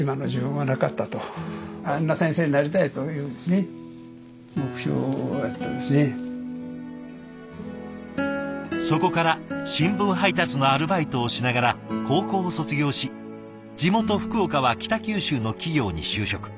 まあ僕ちょっとそこから新聞配達のアルバイトをしながら高校を卒業し地元・福岡は北九州の企業に就職。